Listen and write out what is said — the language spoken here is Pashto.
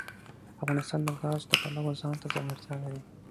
افغانستان د ګاز د پلوه ځانته ځانګړتیا لري.